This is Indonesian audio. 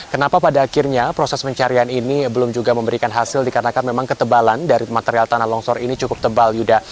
kenapa pada akhirnya proses pencarian ini belum juga memberikan hasil dikarenakan memang ketebalan dari material tanah longsor ini cukup tebal yuda